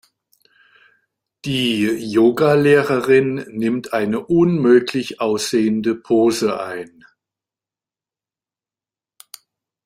Die Yoga-Lehrerin nimmt eine unmöglich aussehende Pose ein.